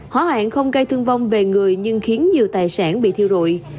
hỏa hoạn không gây thương vong về người nhưng khiến nhiều tài sản bị thiêu rụi